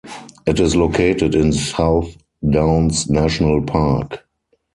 It is located in South Downs National Park.